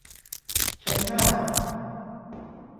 ใช้ง่าย